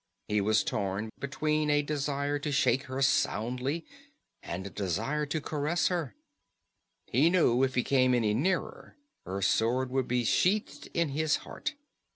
He was torn between a desire to shake her soundly, and a desire to caress her. He knew if he came any nearer her sword would be sheathed in his heart.